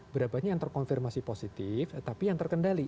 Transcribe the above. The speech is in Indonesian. berapanya yang terkonfirmasi positif tapi yang terkendali